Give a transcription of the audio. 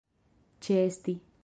ĉeesti